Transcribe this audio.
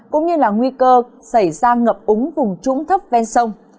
cũng như là nguy cơ xảy ra ngập úng vùng trũng thấp ven sông